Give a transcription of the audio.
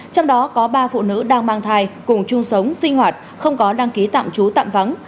trong đó có ba phụ nữ đang mang thai cùng chung sống sinh hoạt không có đăng ký tạm trú tạm vắng